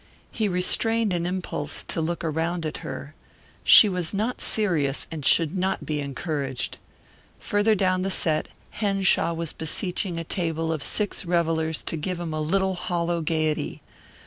He restrained an impulse to look around at her. She was not serious and should not be encouraged. Farther down the set Henshaw was beseeching a table of six revellers to give him a little hollow gayety.